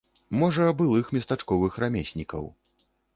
Можа, былых местачковых рамеснікаў.